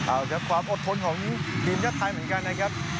เอาครับความอดทนของทีมชาติไทยเหมือนกันนะครับ